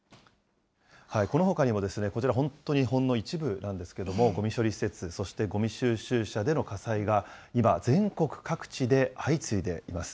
このほかにも、こちら本当にほんの一部なんですけれども、ごみ処理施設、そしてごみ収集車での火災が今、全国各地で相次いでいます。